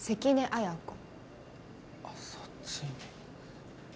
そっちね。